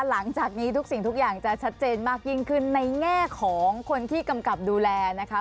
หลังจากนี้ทุกสิ่งทุกอย่างจะชัดเจนมากยิ่งขึ้นในแง่ของคนที่กำกับดูแลนะคะ